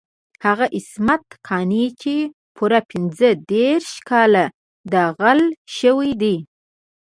هغه عصمت قانع چې پوره پنځه دېرش کاله داغل شوی دی.